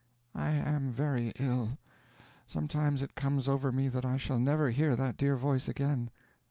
"I am very ill. Sometimes it comes over me that I shall never hear that dear voice again."